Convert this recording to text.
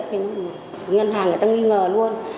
thì ngân hàng người ta nghi ngờ luôn